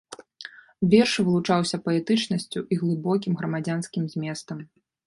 Верш вылучаўся паэтычнасцю і глыбокім грамадзянскім зместам.